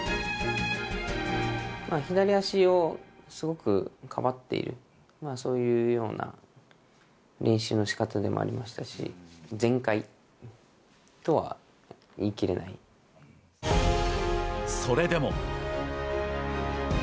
左足をすごくかばっている、そういうような練習のしかたでもありましたし、全快とは言い切れそれでも。